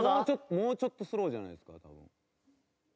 もうちょっとスローじゃないですか？